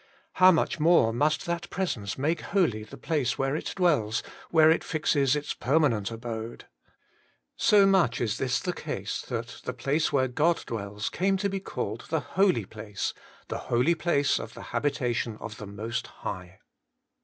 How much more must that Presence make holy the place where it dwells, where it fixes its permanent abode ! So much is this the case, that the place where God dwells came to be called the holy place, ' the holy place of the habita tion of the Most High.'